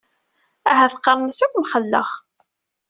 Ahat qqaren-as akk mxelleɣ.